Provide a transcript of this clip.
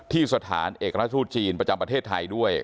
ที่สถานเอกราชทูตจีนประจำประเทศไทยด้วย